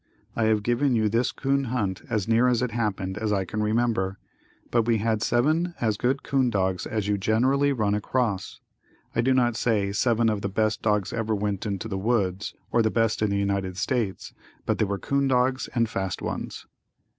I have given you this 'coon hunt as near as it happened as I can remember, but we had seven as good 'coon dogs as you generally run across. I do not say seven of the best dogs ever went into the woods or the best in the United States, but they were 'coon dogs and fast ones.